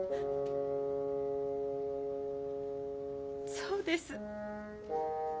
そうです。